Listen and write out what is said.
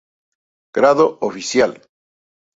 Grado Oficial.